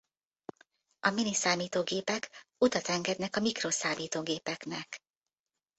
A miniszámítógépek utat engednek a mikroszámítógépeknek.